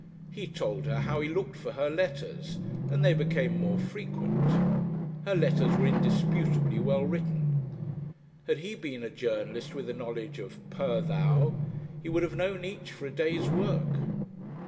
He told her how he looked for her letters, and they became more frequent. Her letters were Indisputably well written. Had he been a journalist with a knowledge of "per thou." he would have known each for a day's work.